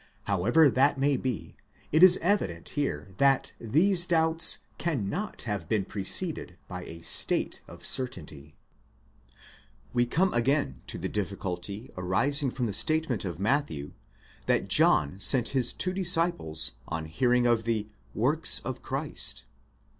However that may be, it is evident here that these doubts cannot have been preceded by a state of certainty. We come again to the difficulty arising from the statement of Matthew that John sent his two disciples on hearing of the works of Christ, ἀκούσας τὰ 222 PART Il, CHAPTER L § 46.